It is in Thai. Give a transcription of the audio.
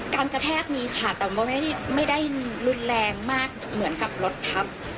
กระแทกมีค่ะแต่ว่าไม่ได้รุนแรงมากเหมือนกับรถทับ